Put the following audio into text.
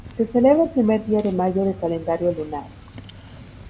Se celebra el primer día de mayo del calendario lunar.